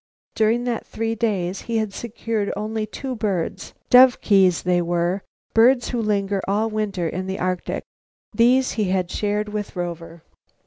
During that three days he had secured only two small birds, dovekies they were, birds who linger all winter in the Arctic. These he had shared with Rover.